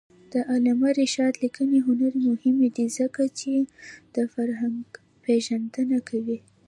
د علامه رشاد لیکنی هنر مهم دی ځکه چې فرهنګپېژندنه کوي.